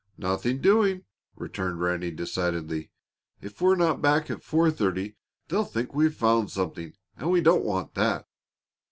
"Nothing doing," returned Ranny, decidedly. "If we're not back at four thirty, they'll think we've found something, and we don't want that.